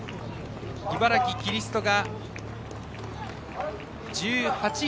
茨城キリストが１８位。